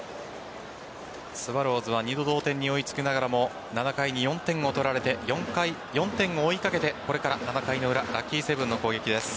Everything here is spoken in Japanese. スワローズは２度、同点に追いつきながらも７回に４点を取られて４点を追いかけてこれから７回の裏ラッキーセブンの攻撃です。